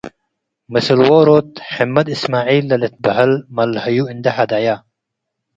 ምስል ዎሮት ሕመድ እስማዒል ለልትበሀል መለሀዩ እንዴ ሀደየ